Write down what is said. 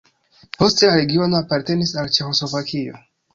Poste la regiono apartenis al Ĉeĥoslovakio.